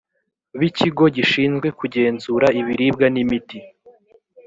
b ikigo gishinzwe kugenzura ibiribwa n imiti